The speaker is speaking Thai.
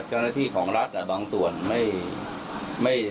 ชณฐ่าของรัฐแหละบางส่วนไม่